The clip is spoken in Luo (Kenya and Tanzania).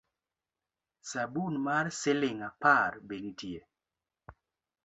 Sabun mar siling’ apar be nitie?